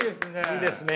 いいですね。